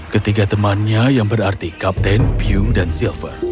ketiga temannya yang berarti kapten piung dan silver